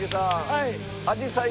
はい。